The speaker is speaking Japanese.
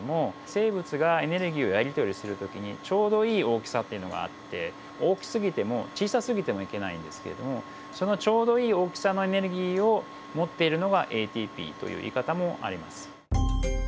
生物がエネルギーをやり取りする時にちょうどいい大きさっていうのがあって大きすぎても小さすぎてもいけないんですけれどもそのちょうどいい大きさのエネルギーを持っているのがＡＴＰという言い方もあります。